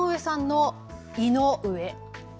井上さんの胃の上。